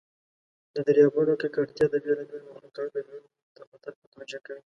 د دریابونو ککړتیا د بیلابیلو مخلوقاتو ژوند ته خطر متوجه کوي.